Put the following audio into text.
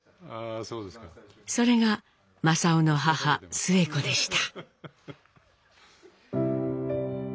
それが正雄の母スエ子でした。